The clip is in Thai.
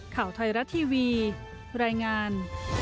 ข่าวไทยรัฐทีวีรายงาน